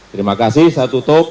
terima kasih saya tutup